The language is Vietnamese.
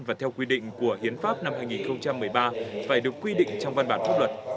và theo quy định của hiến pháp năm hai nghìn một mươi ba phải được quy định trong văn bản pháp luật